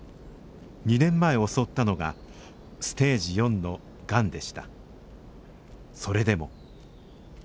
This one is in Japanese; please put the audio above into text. ２年前襲ったのがステージ４のがんでした。